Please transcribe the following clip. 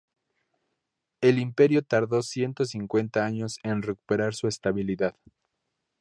El imperio tardó ciento cincuenta años en recuperar su estabilidad.